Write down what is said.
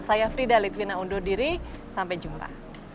saya frida litwina undur diri sampai jumpa